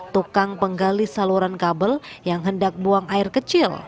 tukang penggali saluran kabel yang hendak buang air kecil